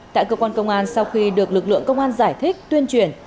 tại cơ quan công an sau khi được lực lượng công an giải thích tuyên truyền